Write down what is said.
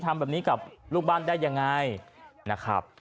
ทำแบบนี้กับลูกบ้านได้ยังไงนะครับ